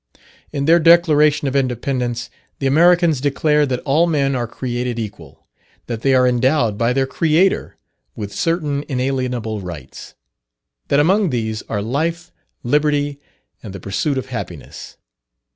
In their Declaration of Independence, the Americans declare that "all men are created equal; that they are endowed by their Creator with certain inalienable rights; that among these are life, liberty, and the pursuit of happiness."